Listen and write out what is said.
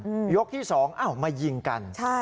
ยกที่สองอ้าวมายิงกันใช่